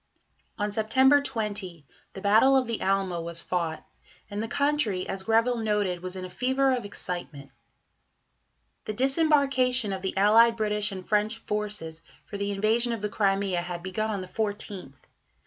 On September 20 the Battle of the Alma was fought, and the country, as Greville noted, was "in a fever of excitement." The disembarkation of the allied British and French forces for the invasion of the Crimea had begun on the 14th.